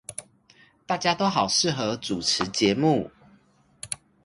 大家都好適合主持節目